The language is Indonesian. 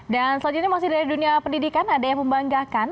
dan selanjutnya masih dari dunia pendidikan ada yang membanggakan